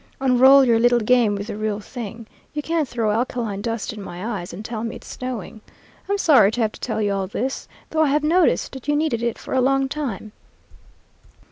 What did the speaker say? Unroll your little game with the real thing. You can't throw alkaline dust in my eyes and tell me it's snowing. I'm sorry to have to tell you all this, though I have noticed that you needed it for a long time.'